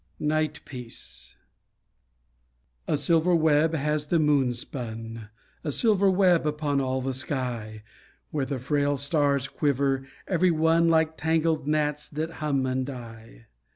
NIGHT PIECE A silver web has the moon spun, A silver web upon all the sky, Where the frail stars quiver, every one Like tangled gnats that hum and die.